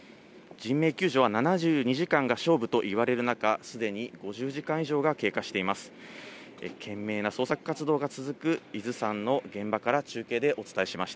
人命救助は７２時間が勝負といわれる中、すでに５０時間以上が経過しています。